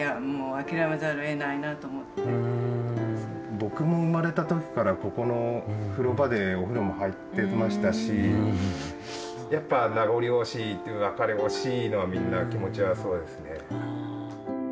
僕も生まれたときからここの風呂場でお風呂も入ってましたしやっぱ名残惜しいって惜しいのはみんな気持ちはそうですね。